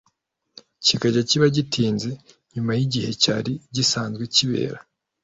kikajya kiba gitinze nyuma y'igihe cyari gisanzwe kibera